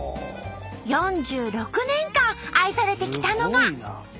４６年間愛されてきたのが。